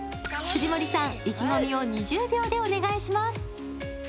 藤森さん、意気込みを２０秒でお願いします。